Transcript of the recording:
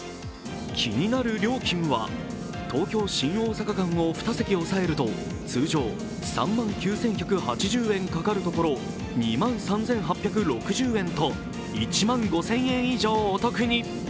気になる料金は東京−新大阪間を２席押さえると通常３万９１８０円かかるところを２万３８６０円と１万５０００円以上お得に。